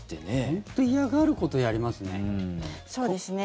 本当に嫌がることやりますね。